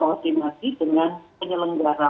terkonsumasi dengan penyelenggara